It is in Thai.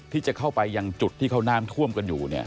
ที่จะเข้าไปอย่างจุดที่เข้าน้ำท่วมกันอยู่